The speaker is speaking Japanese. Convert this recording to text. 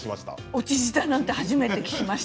落ち舌って初めて聞きました。